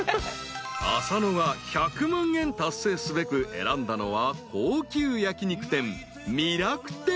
［浅野が１００万円達成すべく選んだのは高級焼き肉店］